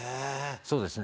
そうですね。